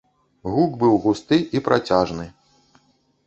Гук быў густы і працяжны.